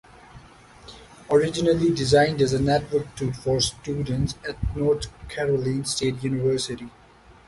Originally designed as a network tool for students at North Carolina State University.